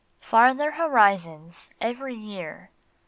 ARTHER horizons every year